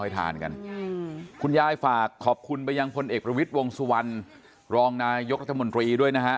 ทานกันคุณยายฝากขอบคุณไปยังพลเอกประวิทย์วงสุวรรณรองนายกรัฐมนตรีด้วยนะฮะ